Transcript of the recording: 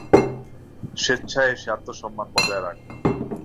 স্বেচ্ছায় এসে আত্মসম্মান বজায় রাখো।